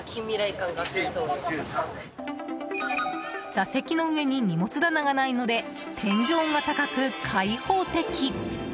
座席の上に荷物棚がないので天井が高く開放的。